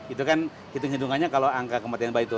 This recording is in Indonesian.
itu kan hitung hitungannya kalau angka kematian bayi turun